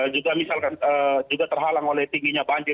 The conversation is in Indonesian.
juga misalkan juga terhalang oleh tingginya banjir